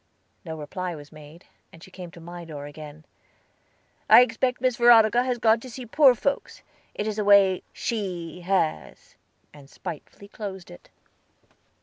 No reply was made, and she came to my door again. "I expect Miss Veronica has gone to see poor folks; it is a way she has," and spitefully closed it.